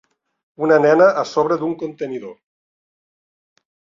Una nena a sobre d'un contenidor.